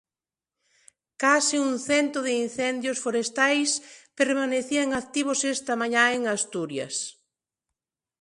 Case un cento de incendios forestais permanecían activos esta mañá en Asturias.